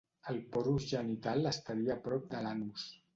El porus genital estaria a prop de l'anus.